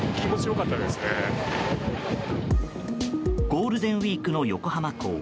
ゴールデンウィークの横浜港。